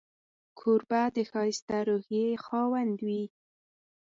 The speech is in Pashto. کوربه د ښایسته روحيې خاوند وي.